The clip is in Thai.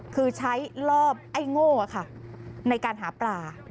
คือใช้ลอบไอ้โง่ในการหาปลา